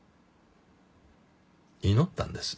祈ったんです。